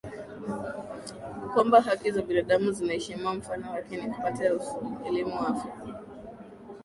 kwamba haki za binadamu zinaheshimiwa mfano haki ya kupata elimu afya